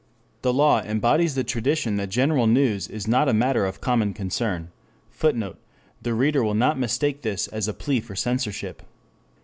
The law embodies the tradition that general news is not a matter of common concern, [Footnote: The reader will not mistake this as a plea for censorship.